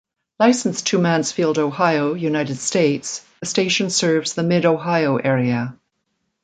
Licensed to Mansfield, Ohio, United States, the station serves the Mid-Ohio area.